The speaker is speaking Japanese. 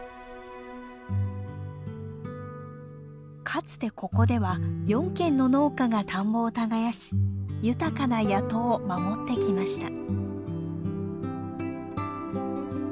かつてここでは４軒の農家が田んぼを耕し豊かな谷戸を守ってきました。